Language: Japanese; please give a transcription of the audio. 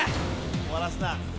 終わらすな。